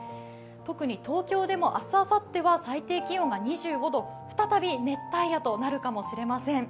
特に東京でも明日、あさっては最低気温が２５度、再び熱帯夜となるかもしれません。